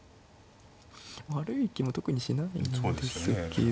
悪い気も特にしないんですけど。